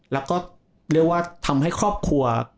แล้วก็เรียกว่าทำให้ครอบครัว